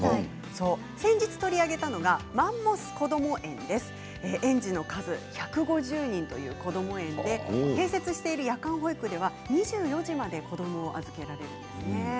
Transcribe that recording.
先日、取り上げたのがマンモスこども園園児の数１５０人というこども園で隣接している夜間保育では２４時まで子どもを預けられるんです。